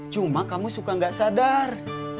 cuma kamu suka nggak sadar